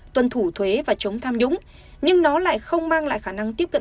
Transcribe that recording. tuân thủ thuế và chống tham nhũng nhưng nó lại không mang lại khả năng tiếp cận